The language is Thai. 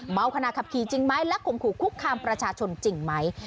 ขณะขับขี่จริงไหมและข่มขู่คุกคามประชาชนจริงไหม